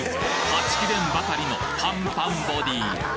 はちきれんばかりのパンパンボディー！